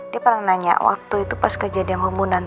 dia pernah nanya waktu itu pas kejadian pembunuhan